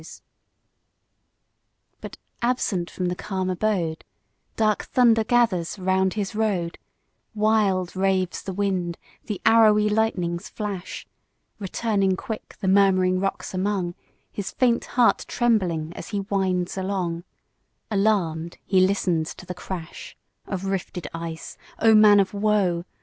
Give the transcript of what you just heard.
Page 39 But absent from the calm abode, Dark thunder gathers round his road, Wild raves the wind, the arrowy lightnings flash, Returning quick the murmuring rocks among, His faint heart trembling as he winds along; Alarm'd he listens to the crash Of rifted ice! Oh, man of woe!